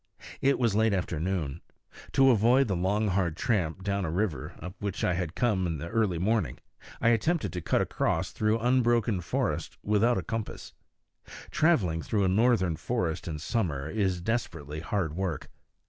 It was late afternoon. To avoid the long hard tramp down a river, up which I had come in the early morning, I attempted to cut across through unbroken forest without a compass. Traveling through a northern forest in summer is desperately hard work.